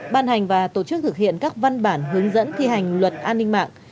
ban hành và tổ chức thực hiện các văn bản hướng dẫn thi hành luật an ninh mạng